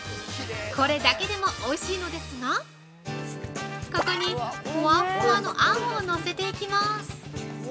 これだけでもおいしいのですがここに、ふわふわのあんをのせていきます。